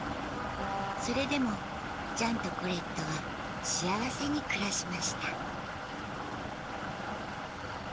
それでもジャンとコレットは幸せに暮らしました